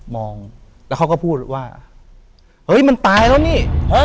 มองแล้วเขาก็พูดว่าเฮ้ยมันตายแล้วนี่